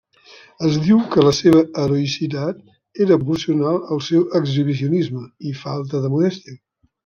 Es diu que la seva heroïcitat era proporcional al seu exhibicionisme i falta de modèstia.